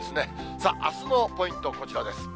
さあ、あすのポイント、こちらです。